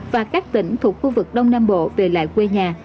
và các tỉnh thuộc khu vực đông nam bộ về lại quê nhà